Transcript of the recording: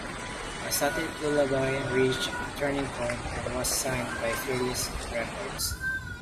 A Static Lullaby reached a turning point and was signed by Fearless Records.